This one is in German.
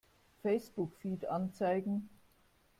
Facebook-Feed anzeigen!